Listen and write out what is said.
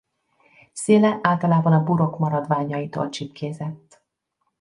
Széle általában a burok maradványaitól csipkézett.